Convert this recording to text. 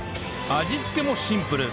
味つけもシンプル